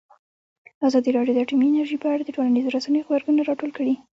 ازادي راډیو د اټومي انرژي په اړه د ټولنیزو رسنیو غبرګونونه راټول کړي.